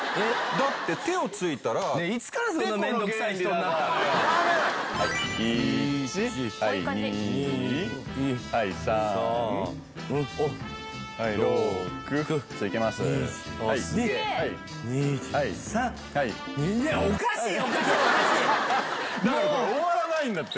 だからこれ終わらないんだって。